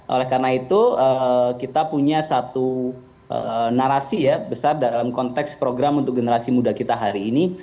oleh karena itu kita punya satu narasi ya besar dalam konteks program untuk generasi muda kita hari ini